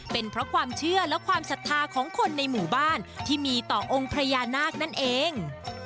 เป็นเพราะความเชื่อและความศรัทธาของคนในหมู่บ้านที่มีต่อองค์พญานาคนั่นเอง